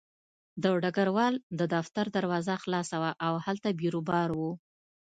د ډګروال د دفتر دروازه خلاصه وه او هلته بیروبار و